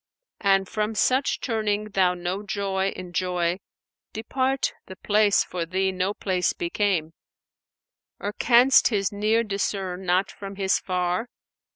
An from such turning thou no joy enjoy * Depart! the place for thee no place became. Or canst His near discern not from His far?